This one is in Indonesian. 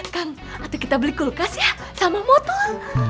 kang atuh kita beli kulkas ya sama motor